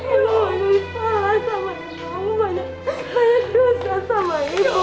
ibu ingin paham sama ibu aku banyak dosa sama ibu